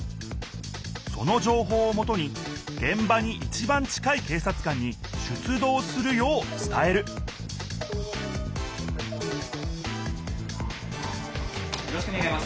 そのじょうほうをもとにげん場にいちばん近い警察官に出どうするようつたえるよろしくねがいます。